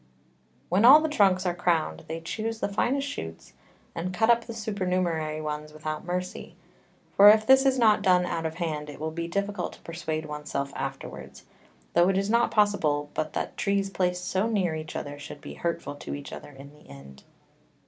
When all the Trunks are crowned, they chuse the finest Shoots, and cut up the supernumerary ones without mercy; for if this is not done out of hand, it will be difficult to persuade one's self afterwards: tho it is not possible but that Trees placed so near each other, should be hurtful to each other in the end.